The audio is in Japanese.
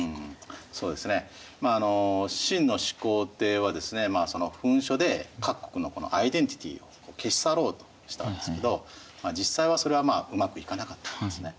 そうですねまあ秦の始皇帝はですね焚書で各国のアイデンティティを消し去ろうとしたんですけど実際はそれはうまくいかなかったわけですね。